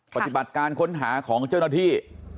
ปฏิบัติการค้นหาของเจ้าหน้าที่